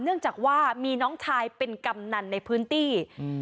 เนื่องจากว่ามีน้องชายเป็นกำนันในพื้นที่อืม